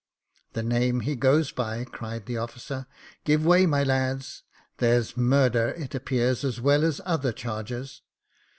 " The name he goes by," cried the officer. *' Give way, my lads. There's murder, it appears, as well as other charges."